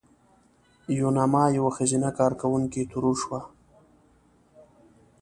یوناما یوه ښځینه کارکوونکې ترور شوه.